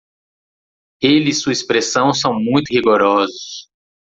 Ele e sua expressão são muito rigorosos